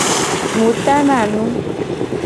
Mu tana nu.